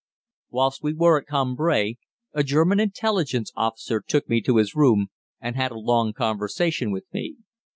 Whilst we were at Cambrai a German Intelligence officer took me to his room and had a long conversation with me.